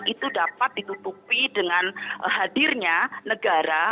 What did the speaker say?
itu dapat ditutupi dengan hadirnya negara